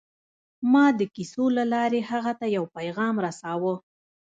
ما د کیسو له لارې هغه ته یو پیغام رساوه